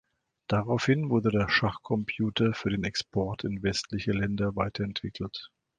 Daraufhin wurde der Schachcomputer für den Export in westliche Länder weiterentwickelt.